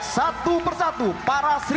satu persatu para sejarah